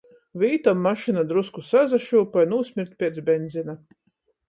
Vītom mašyna drusku sasašyupoj, nūsmird piec benzina.